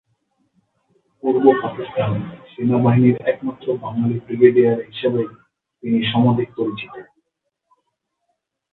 পূর্ব পাকিস্তান সেনা বাহিনীর একমাত্র বাঙ্গালী ব্রিগেডিয়ার হিসেবেই তিনি সমধিক পরিচিত।